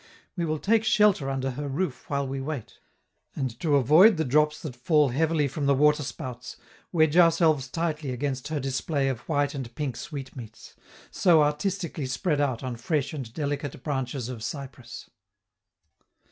We will take shelter under her roof while we wait; and, to avoid the drops that fall heavily from the waterspouts, wedge ourselves tightly against her display of white and pink sweetmeats, so artistically spread out on fresh and delicate branches of cypress.